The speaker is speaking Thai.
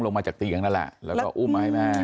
ลงมาจากเตียงนั่นแหละแล้วก็อุ้มไว้มา